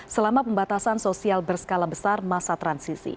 selama pembatasan sosial berskala besar masa transisi